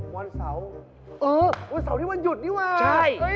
วันเสาร์เออวันเสาร์นี้วันหยุดนี่ว่ะใช่